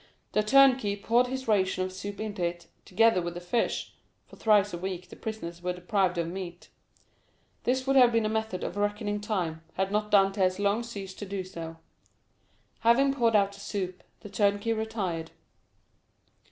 The turnkey poured his ration of soup into it, together with the fish—for thrice a week the prisoners were deprived of meat. This would have been a method of reckoning time, had not Dantès long ceased to do so. Having poured out the soup, the turnkey retired.